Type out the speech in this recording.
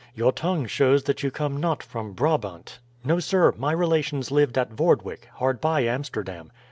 Your tongue shows that you come not from Brabant." "No, sir, my relations lived at Vordwyk, hard by Amsterdam."